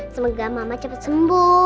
semoga mama cepat sembuh